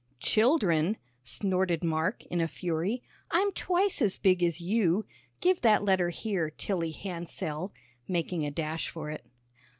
"Children!" snorted Mark, in a fury. "I'm twice as big as you. Give that letter here, Tilly Hansell," making a dash for it.